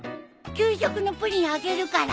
給食のプリンあげるから。